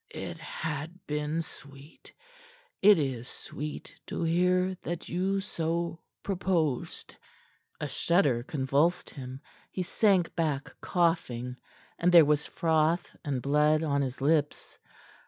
"It had been sweet. It is sweet to hear that you so proposed." A shudder convulsed him. He sank back coughing, and there was froth and blood on his lips.